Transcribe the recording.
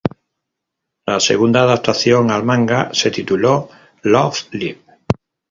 La segunda adaptación al manga se tituló "Love Live!